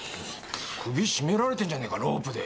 首絞められてんじゃねーかロープで。